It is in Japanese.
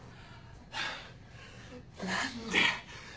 何で。